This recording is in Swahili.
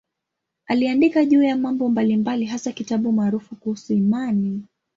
Aliandika juu ya mambo mbalimbali, hasa kitabu maarufu kuhusu imani.